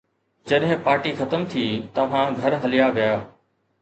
جڏهن پارٽي ختم ٿي، توهان گهر هليا ويا.